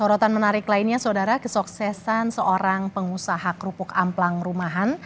sorotan menarik lainnya saudara kesuksesan seorang pengusaha kerupuk amplang rumahan